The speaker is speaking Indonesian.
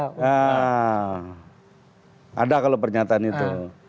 nah ada kalau pernyataan itu